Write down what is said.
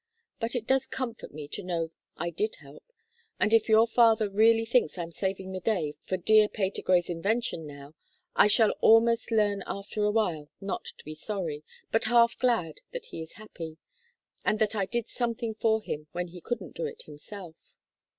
But it does comfort me to know I did help, and if your father really thinks I'm saving the day for dear Patergrey's invention now I shall almost learn after a while not to be sorry, but half glad that he is happy, and that I did something for him when he couldn't do it himself."